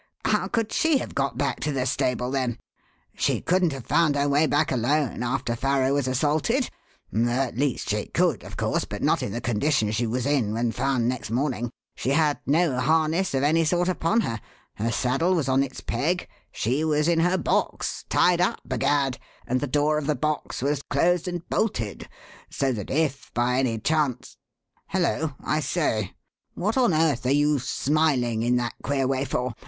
How could she have got back to the stable, then? She couldn't have found her way back alone after Farrow was assaulted at least, she could, of course, but not in the condition she was in when found next morning. She had no harness of any sort upon her. Her saddle was on its peg. She was in her box tied up, b'gad! and the door of the box was closed and bolted; so that if by any chance Hullo! I say! What on earth are you smiling in that queer way for?